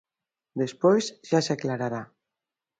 Despois xa se aclarará.